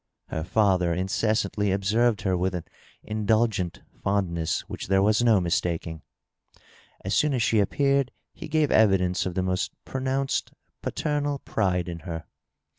Her &ther incessantly observed her with an indul gent fondness which there was no mistaking. As soon as she appeared he gave evidence of the most pronounced paternal pride in her.